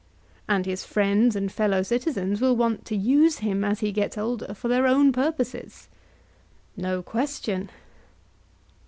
And his friends and fellow citizens will want to use him as he gets older for their own purposes? No question.